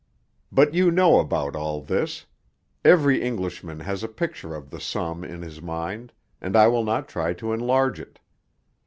But you know about all this. Every Englishman has a picture of the Somme in his mind, and I will not try to enlarge it.